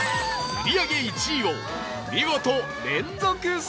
売り上げ１位を見事連続正解！